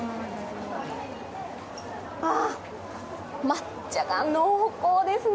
抹茶が濃厚ですね。